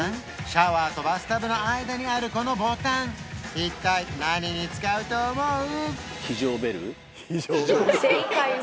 シャワーとバスタブの間にあるこのボタン一体何に使うと思う？